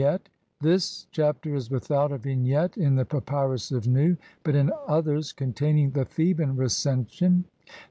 ] Vignette : This Chapter is without a vignette in the Papyrus of Nu, but in others containing the Theban Recension (see Naville, op.